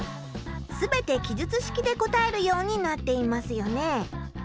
全て記述式で答えるようになっていますよね。